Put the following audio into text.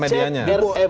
masalahkan ke medianya